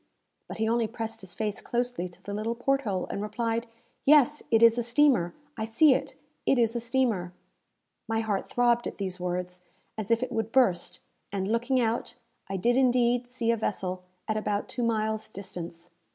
But he only pressed his face closely to the little port hole, and replied, "Yes, it is a steamer! I see it! It is a steamer!" My heart throbbed at these words, as if it would burst; and, looking out, I did indeed see a vessel at about two miles' distance.